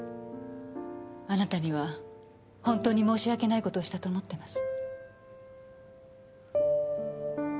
あなたには本当に申し訳ない事をしたと思ってます。